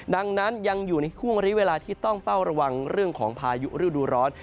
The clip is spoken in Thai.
ดังนั้นยังอยู่ในห่วงริเวลาที่ต้องเฝ้าระวังเรื่องของพายุฤดูร้อน